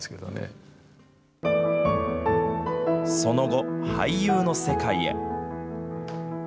その後、俳優の世界へ。